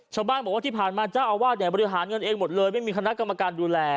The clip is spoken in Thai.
ชาวบ้านบอกว่าที่ผ่านมาเจ้าอาวาสเนี่ยบริหารเงินเองหมดเลยไม่มีคณะกรรมการดูแล